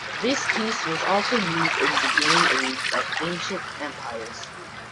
The piece was also used in the game Age of Ancient Empires.